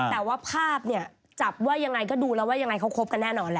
แต่ว่าภาพอย่างไรจะดูแล้วว่าอย่างไรเอาก็แน่นอน